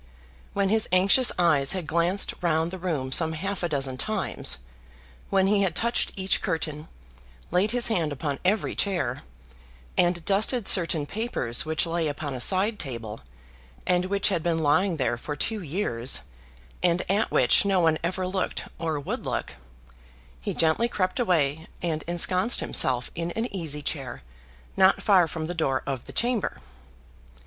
When his anxious eyes had glanced round the room some half a dozen times, when he had touched each curtain, laid his hand upon every chair, and dusted certain papers which lay upon a side table, and which had been lying there for two years, and at which no one ever looked or would look, he gently crept away and ensconced himself in an easy chair not far from the door of the chamber.